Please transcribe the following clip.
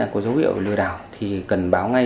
có dấu hiệu lừa đảo thì cần báo ngay